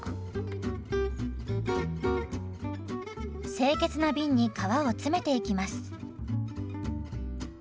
清潔な瓶に皮を詰めていきます。